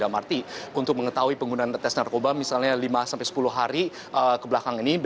dalam arti untuk mengetahui penggunaan tes narkoba misalnya lima sampai sepuluh hari kebelakang ini